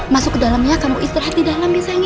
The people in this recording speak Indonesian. masuk ke dalam ya kamu istirahat di dalam ya sayang